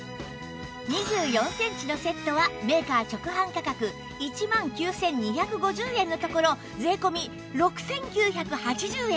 ２４センチのセットはメーカー直販価格１万９２５０円のところ税込６９８０円